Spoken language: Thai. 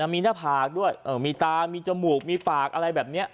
มีหน้าผากด้วยมีตามีจมูกมีปากอะไรแบบนี้